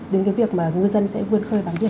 đến việc ngư dân sẽ vươn khơi bán việc